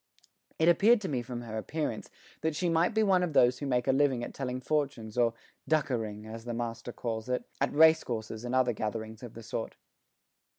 It appeared to me from her appearance that she might be one of those who make a living at telling fortunes or "dukkering," as the master calls it, at racecourses and other gatherings of the sort.